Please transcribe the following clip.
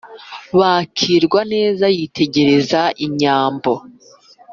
bakirwa neza yitegereza inyambo